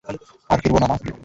আর ফিরব না মা।